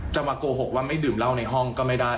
มาโกหกว่าไม่ดื่มเหล้าในห้องก็ไม่ได้